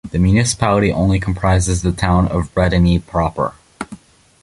The municipality only comprises the town of Bredene proper.